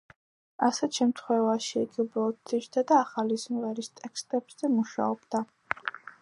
ასეთ შემთხვევაში იგი უბრალოდ იჯდა და ახალი სიმღერების ტექსტებზე მუშაობდა.